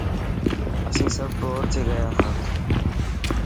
اسين سڀ بور ٿي گيا هان.